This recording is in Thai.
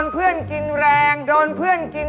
เป็นไร